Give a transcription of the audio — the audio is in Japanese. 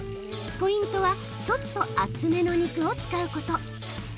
ポイントはちょっと厚めの肉を使うこと。